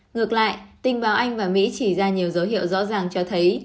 ngược lại tình báo anh và mỹ chỉ ra nhiều dấu hiệu rõ ràng cho thấy